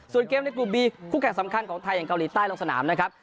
ส่วนเกมในกลุ่มบีคู่แข่งสำคัญของไทยอย่างเกาหลีใต้ลงสนามนะครับ